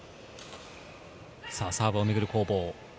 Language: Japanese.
サーブをめぐる攻防。